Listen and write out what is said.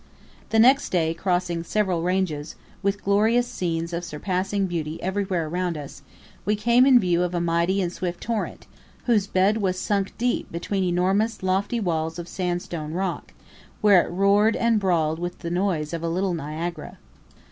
The next day, crossing several ranges, with glorious scenes of surpassing beauty everywhere around us, we came in view of a mighty and swift torrent, whose bed was sunk deep between enormous lofty walls of sandstone rock, where it roared and brawled with the noise of a little Niagara.